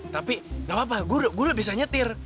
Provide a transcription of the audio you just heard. tapi gak apa apa gue udah bisa nyetir